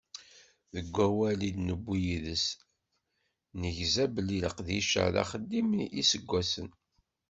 Deg wawal i d-newwi yid-s, negza belli leqdic-a, d axeddim n yiseggasen.